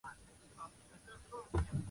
胡顺妃卒年不详。